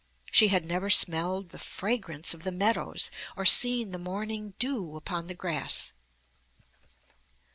She had never smelled the fragrance of the meadows, or seen the morning dew upon the grass.